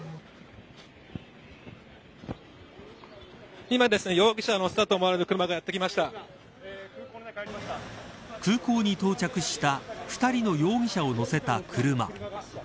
今、容疑者を乗せたと思われる空港に到着した２人の容疑者を乗せた車。